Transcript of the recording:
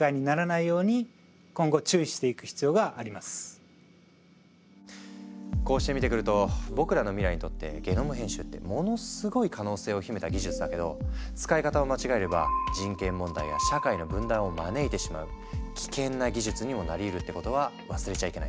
更に問題なのはこうして見てくると僕らの未来にとってゲノム編集ってものすごい可能性を秘めた技術だけど使い方を間違えれば人権問題や社会の分断を招いてしまう危険な技術にもなりうるってことは忘れちゃいけないね。